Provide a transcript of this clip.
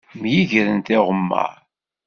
Myegren tiɣemmaṛ.